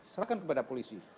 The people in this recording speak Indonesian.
serahkan kepada polisi